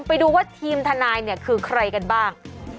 ไปดูว่าทีมทนายเนี่ยคือใครกันบ้าง